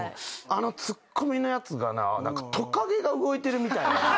あのツッコミのやつがなトカゲが動いてるみたい。